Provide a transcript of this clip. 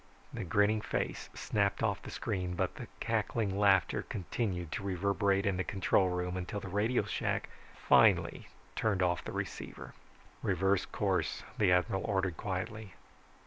The grinning face snapped off the screen, but the cackling laughter continued to reverberate in the control room until the radio shack finally turned off the receiver. "Reverse course," the admiral ordered quietly.